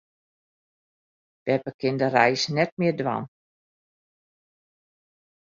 Beppe kin de reis net mear dwaan.